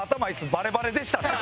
バレバレでしたね。